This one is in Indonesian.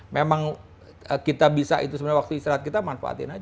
memang kita bisa itu sebenarnya waktu istirahat kita manfaatin aja